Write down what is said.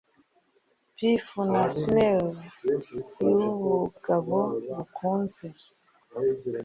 Pith na sinew yubugabo bukuze